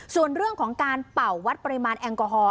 ส่วนเรื่องของการเป่าวัดปริมาณแอลกอฮอล